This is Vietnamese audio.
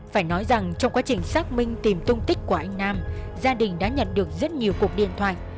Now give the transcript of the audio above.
phải nói rằng trong quá trình xác minh tìm tung tích của anh nam gia đình đã nhận được rất nhiều cuộc điện thoại